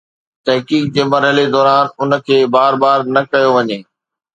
تحقيق جي مرحلي دوران ان کي بار بار نه ڪيو وڃي.